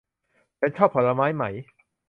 ฉันชอบผลไม้ไหม